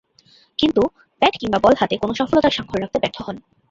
কিন্তু, ব্যাট কিংবা বল হাতে কোন সফলতার স্বাক্ষর রাখতে ব্যর্থ হন।